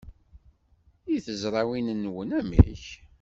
I tezrawin-nwen, amek?